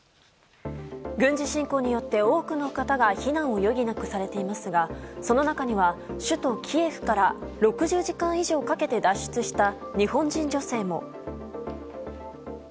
軍事侵攻によって多くの方が避難を余儀なくされていますがその中には首都キエフから６０時間以上かけて脱出した日本人女性も。